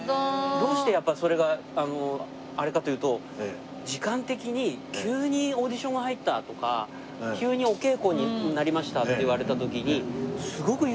どうしてやっぱりそれがあれかというと時間的に急にオーディションが入ったとか急にお稽古になりましたって言われた時に。